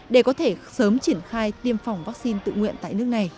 để có thể sớm triển khai tiêm phòng vaccine tự nguyện tại nước này